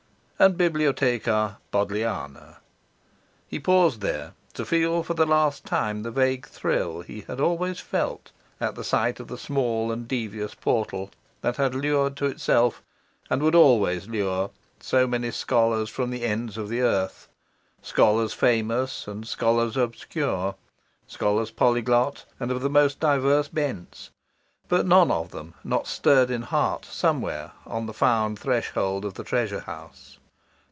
And Bibliotheca Bodleiana he paused there, to feel for the last time the vague thrill he had always felt at sight of the small and devious portal that had lured to itself, and would always lure, so many scholars from the ends of the earth, scholars famous and scholars obscure, scholars polyglot and of the most diverse bents, but none of them not stirred in heart somewhat on the found threshold of the treasure house.